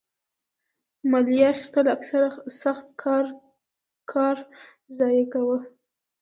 مالیه اخیستل اکثره سخت کال کار ضایع کاوه.